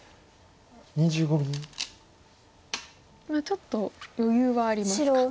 ちょっと余裕はありますか。